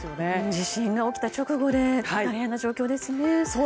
地震が起きた直後で大変な状況ですね。